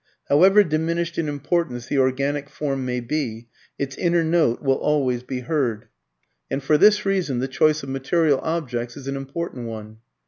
However diminished in importance the organic form may be, its inner note will always be heard; and for this reason the choice of material objects is an important one.